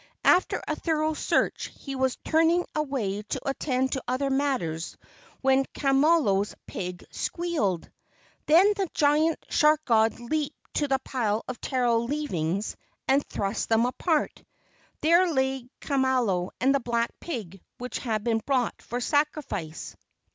After a thorough search he was turning away to attend to other matters when Kamalo's pig squealed. Then the giant shark god leaped to the pile of taro leavings and thrust them apart. There lay Kamalo and the black pig which had been brought for sacrifice.